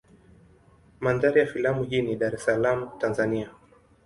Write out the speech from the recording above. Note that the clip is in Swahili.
Mandhari ya filamu hii ni Dar es Salaam Tanzania.